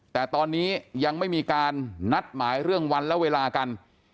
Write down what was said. แต่ตอนนี้ยังไม่มีการนัดหมายเรื่องวันและเวลากัน